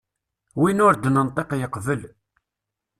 Win ur d-nenṭiq yeqbel.